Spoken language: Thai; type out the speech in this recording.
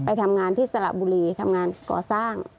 ทำงานที่สระบุรีทำงานก่อสร้าง